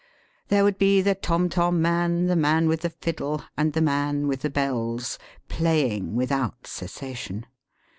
There would be the tom tom man, the man with the fiddle, and the man with the bells, playing without cessation.